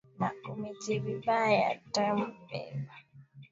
ilikuwa inawastahamilia watu wenye siasa za Kiislamu